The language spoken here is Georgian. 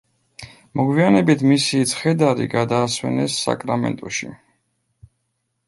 მოგვიანებით მისი ცხედარი გადაასვენეს საკრამენტოში.